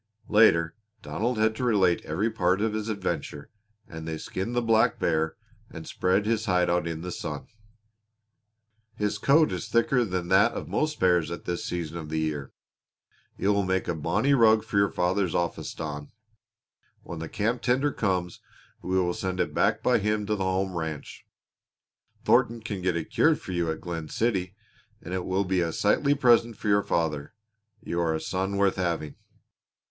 Later Donald had to relate every part of his adventure, and they skinned the black bear and spread his hide out in the sun. "His coat is thicker than that of most bears at this season of the year. It will make a bonny rug for your father's office, Don. When the camp tender comes we will send it back by him to the home ranch. Thornton can get it cured for you at Glen City and it will be a sightly present for your father. You are a son worth having!"